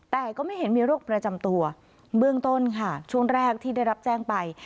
แต่ก็ไม่เห็นมีโรคประจำตัวเบื้องต้นค่ะช่วงแรกที่ได้รับแจ้งไป